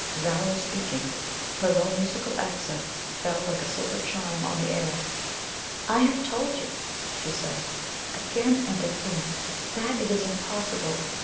Zara was speaking. Her low, musical accents fell like a silver chime on the air. "I have told you," she said, "again and again that it is impossible.